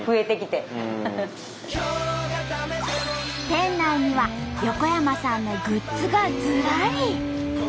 店内には横山さんのグッズがずらり！